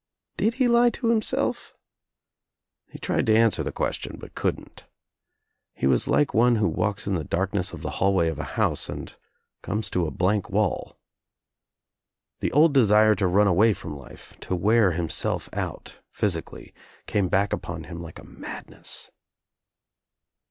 Did he lie to himself? He tried to answer the question but couldn't. He was lilte one who walks in the darkness of the hallway of a house and comes to a blank wall. The old desire to run away from life, to wear himself out physically, came back upon him like a madness.